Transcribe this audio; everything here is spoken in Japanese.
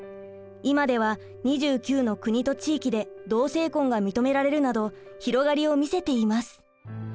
今では２９の国と地域で同性婚が認められるなど広がりを見せています。